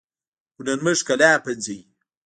هنرمند ښکلا پنځوي